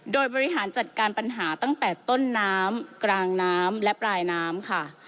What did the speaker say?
โดยบริหารจัดการปัญหาตั้งแต่ต้นน้ำกลางน้ำและปลายน้ำค่ะ